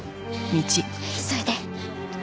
急いで。